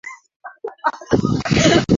za Kituruki baada ya waasi wa Kikomunisti